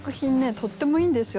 とってもいいんですよ。